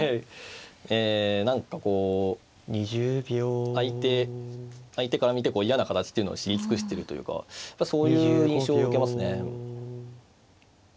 え何かこう相手から見て嫌な形っていうのを知り尽くしてるというかやっぱそういう印象を受けますね。